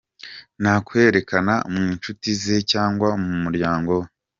Ntakwerekana mu nshuti ze cyangwa mu muryango.